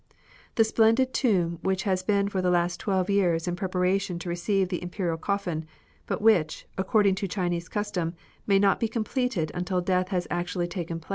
The splendid tomb which has been for the last twelve years in preparation to receive the Imperial coffin, but which, according to Chinese custom, may not be completed until death has actually taken place.